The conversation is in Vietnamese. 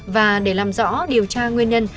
và để làm rõ điều tra nguyên nhân